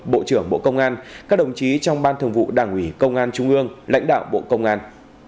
bộ trưởng bộ công an các đồng chí trong ban thường vụ đảng ủy công an trung ương lãnh đạo bộ công an